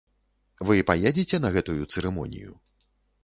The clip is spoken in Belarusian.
Вы паедзеце на гэтую цырымонію?